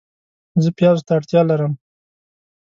زه پیازو ته اړتیا لرم